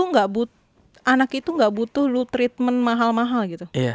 karena anak itu lo gak butuh lo treatment mahal mahal gitu